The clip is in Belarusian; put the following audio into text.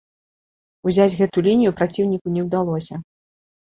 Узяць гэту лінію праціўніку не ўдалося.